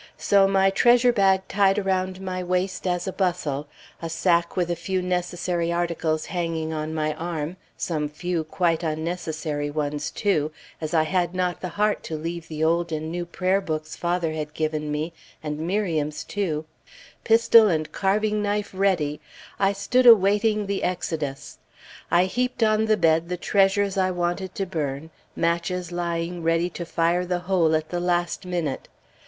So my treasure bag tied around my waist as a bustle, a sack with a few necessary articles hanging on my arm, some few quite unnecessary ones, too, as I had not the heart to leave the old and new prayer books father had given me, and Miriam's, too; pistol and carving knife ready, I stood awaiting the exodus. I heaped on the bed the treasures I wanted to burn, matches lying ready to fire the whole at the last minute.